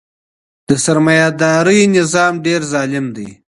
د سرمایه دارۍ نظام ډیر ظالم دی.